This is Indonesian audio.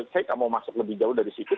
saya nggak mau masuk lebih jauh dari situ